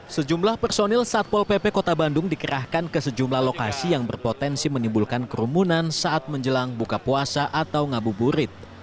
sejumlah personil satpol pp kota bandung dikerahkan ke sejumlah lokasi yang berpotensi menimbulkan kerumunan saat menjelang buka puasa atau ngabuburit